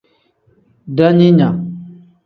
Daaninga.